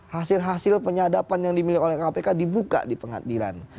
hasil hasil penyadapan yang dimiliki oleh kpk dibuka di pengadilan